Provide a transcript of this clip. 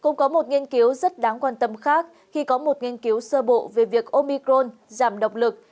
nhiều nghiên cứu rất đáng quan tâm khác khi có một nghiên cứu sơ bộ về việc omicron giảm độc lực